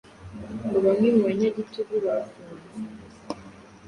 ngo bamwe mubanyagitugubarafunze